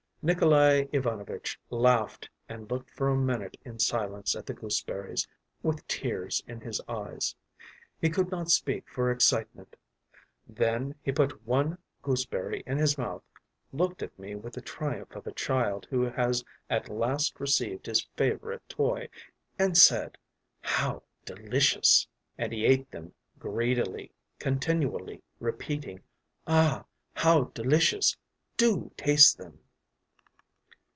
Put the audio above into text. Nikolay Ivanovitch laughed and looked for a minute in silence at the gooseberries, with tears in his eyes; he could not speak for excitement. Then he put one gooseberry in his mouth, looked at me with the triumph of a child who has at last received his favourite toy, and said: “‘How delicious!’ “And he ate them greedily, continually repeating, ‘Ah, how delicious! Do taste them!